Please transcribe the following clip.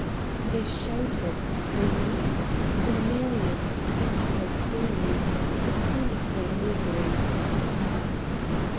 They shouted, they leaped, the merriest began to tell stories; the time of their miseries was past.